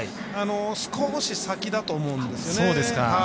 少し先だと思うんですよね。